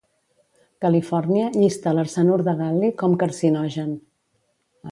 Califòrnia llista l'arsenur de gal·li com carcinogen.